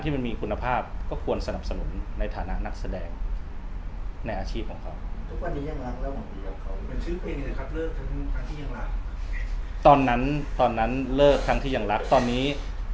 ตอนนี้